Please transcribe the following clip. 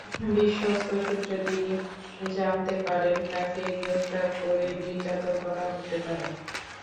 বিশ্বস্ত সূত্রে তিনি জানতে পারেন, তাঁকে গ্রেপ্তার করে নির্যাতন করা হতে পারে।